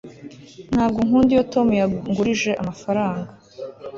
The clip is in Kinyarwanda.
ntabwo nkunda iyo tom yangurije amafaranga